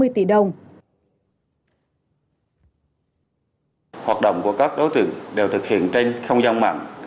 hoạt động của các đối tượng đều thực hiện trên không gian mạng